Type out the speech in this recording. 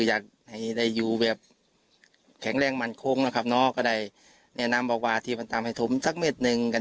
อยากให้ได้อยู่แบบแข็งแรงมั่นคงนะครับเนาะก็ได้แนะนำบอกว่าที่มันทำให้ถมสักเม็ดหนึ่งกัน